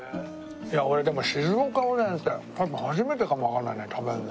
いや俺でも静岡おでんって多分初めてかもわかんないね食べるの。